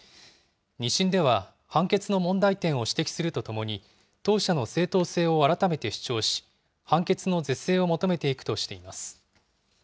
２審では、判決の問題点を指摘するとともに、当社の正当性を改めて主張し、判決の是正を求めていくとしています。